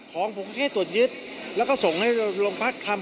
ของผมที่ตรวจยึดแล้วก็ส่งให้โรงพักคำ